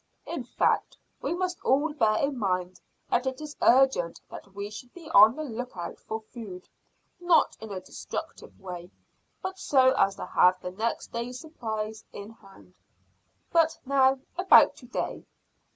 In fact, we must all bear in mind that it is urgent that we should be on the lookout for food not in a destructive way, but so as to have the next day's supplies in hand. But now about to day.